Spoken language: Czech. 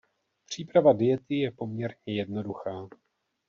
Příprava diety je poměrně jednoduchá.